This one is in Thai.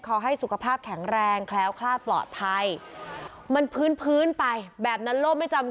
ขอให้สุขภาพแข็งแรงแคล้วคลาดปลอดภัยมันพื้นไปแบบนั้นโลกไม่จำ